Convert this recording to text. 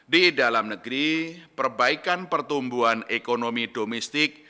di dalam negeri perbaikan pertumbuhan ekonomi domestik